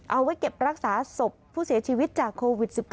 เอาไว้เก็บรักษาศพผู้เสียชีวิตจากโควิด๑๙